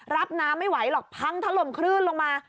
รับน้ำไม่ไหวหรอกพังถล่มคลื่นลงมา